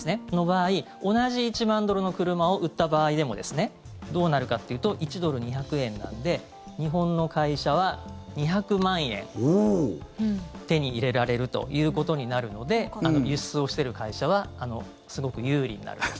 その場合、同じ１万ドルの車を売った場合でもどうなるかというと１ドル＝２００円なので日本の会社は２００万円手に入れられるということになるので輸出をしている会社はすごく有利になる。